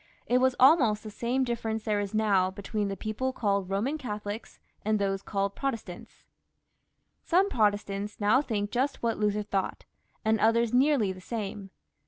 It was almost the same difference there is now between the people called Boman Catholics and those called Pro testants. Some Protestants now think just what Luther thought, and others nearly the same.